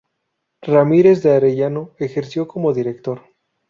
Ramírez de Arellano ejerció como director.